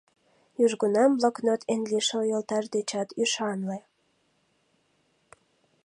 Южгунам блокнот эн лишыл йолташ дечат ӱшанле.